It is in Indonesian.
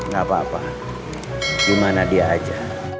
gapapa gimana dia aja